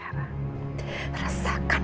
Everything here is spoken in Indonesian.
lalih g documentaries lagi ya